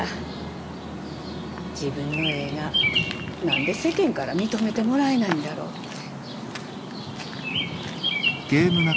自分の絵が何で世間から認めてもらえないんだろうって。